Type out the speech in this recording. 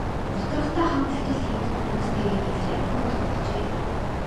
Гутрахдаа хамт ажил хийдэг хүмүүстэйгээ нийлж архи уудаг болжээ.